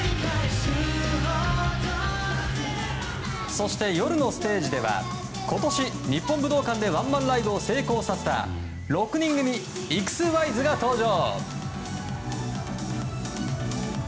そして、夜のステージでは今年、日本武道館でワンマンライブを成功させた６人組、ＥｘＷＨＹＺが登場。